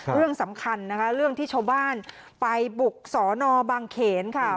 เรื่องสำคัญนะคะเรื่องที่ชาวบ้านไปบุกสอนอบางเขนค่ะ